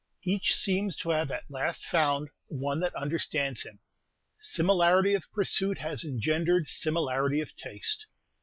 Each seems to have at last found "one that understands him;" similarity of pursuit has engendered similarity of taste.